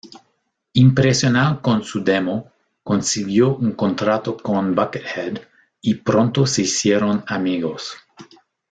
Impresionado con su demo consiguió un contrato con Buckethead y pronto se hicieron amigos.